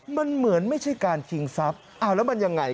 มันเหมือนไม่ใช่การชิงทรัพย์อ้าวแล้วมันยังไง